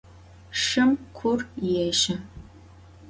Şşım kur yêşe.